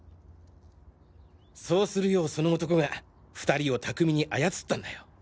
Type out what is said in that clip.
そうするようその男が２人を巧みに操ったんだよ。